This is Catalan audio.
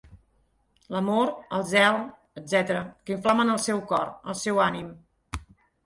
L'amor, el zel, etc., que inflamen el seu cor, el seu ànim.